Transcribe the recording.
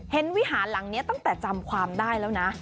วิหารหลังนี้ตั้งแต่จำความได้แล้วนะ